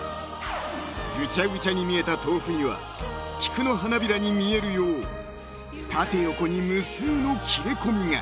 ［ぐちゃぐちゃに見えた豆腐には菊の花びらに見えるよう縦横に無数の切れ込みが］